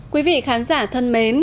quý vị khán giả thân mến